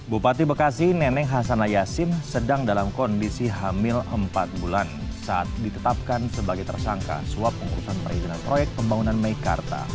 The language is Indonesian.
bupati bekasi neneng hasanayasin sedang dalam kondisi hamil empat bulan saat ditetapkan sebagai tersangka suap pengurusan perizinan proyek pembangunan meikarta